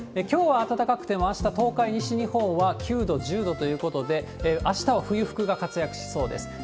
きょうは暖かくても、あした、東海、西日本は９度、１０度ということで、あしたは冬服が活躍しそうです。